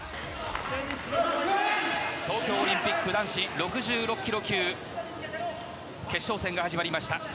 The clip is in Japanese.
東京オリンピック、男子６６ｋｇ級、決勝戦が始まりました。